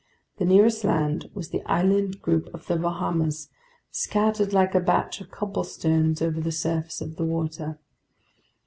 The nearest land was the island group of the Bahamas, scattered like a batch of cobblestones over the surface of the water.